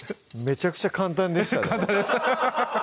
めちゃくちゃ簡単でしたね